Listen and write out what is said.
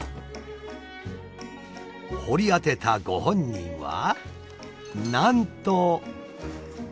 掘り当てたご本人はなんと。